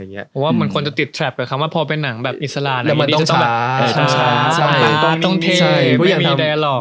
เพราะว่ามันควรจะติดแทรปกับคำว่าพอเป็นหนังแบบอิสระมันจะต้องช้าต้องเทไม่มีแดยล็อค